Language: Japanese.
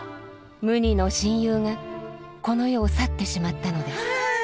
無二の親友がこの世を去ってしまったのです。